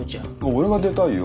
俺が出たいよ。